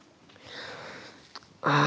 ああ！